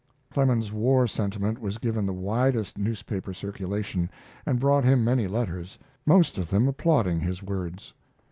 Clemens's war sentiment was given the widest newspaper circulation, and brought him many letters, most of them applauding his words.